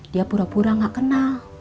dia pura pura gak kenal